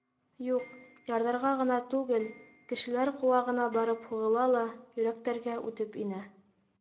Юҡ, ярҙарға ғына түгел, кешеләр ҡолағына барып һуғыла ла йөрәктәргә үтеп инә.